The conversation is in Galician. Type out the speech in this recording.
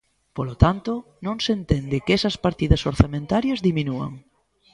Polo tanto, non se entende que esas partidas orzamentarias diminúan.